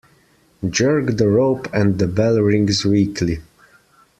Jerk the rope and the bell rings weakly.